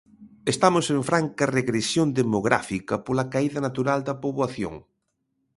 Estamos en franca regresión demográfica pola caída natural da poboación.